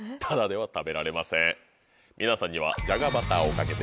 皆さんには。